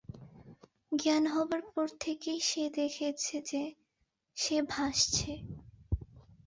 জ্ঞান হবার পর থেকেই সে দেখেছে যে, সে ভাসছে।